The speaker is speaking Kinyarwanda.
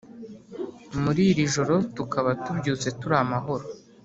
Muririjoro tukaba tubyutse turamahoro